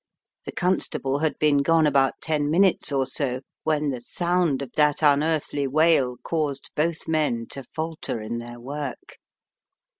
The Constable had been gone about ten minutes or so when the sound of that unearthly wail caused both men to falter in their work.